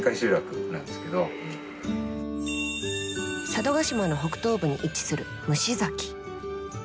佐渡島の北東部に位置する虫崎。